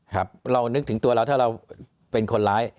ครับเรานึกถึงตัวเราถ้าเราเป็นคนร้าย